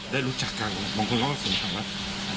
ได้รู้จักกันไหมบางคนเค้าคิดว่า